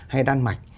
hay đan mạch